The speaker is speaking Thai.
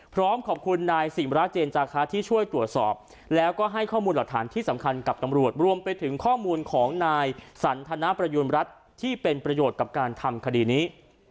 พร้อมขอบคุณนายสิมราชเจนจาคะที่ช่วยตรวจสอบแล้วก็ให้ข้อมูลหลักฐานที่สำคัญกับตำรวจรวมไปถึงข้อมูลของนายสันทนประยูณรัฐที่เป็นประโยชน์กับการทำคดีนี้